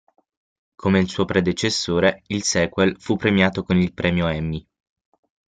Come il suo predecessore, il sequel fu premiato con il premio Emmy.